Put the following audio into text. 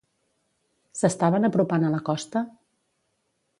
S'estaven apropant a la costa?